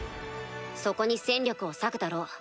そこに戦力を割くだろう。